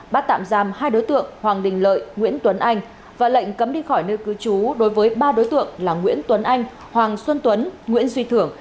bắt tạm giam hai đối tượng hoàng đình lợi nguyễn tuấn anh và lệnh cấm đi khỏi nơi cư trú đối với ba đối tượng là nguyễn tuấn anh hoàng xuân tuấn nguyễn duy thưởng